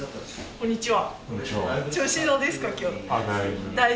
こんにちは。